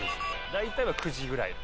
「大体は９時ぐらい」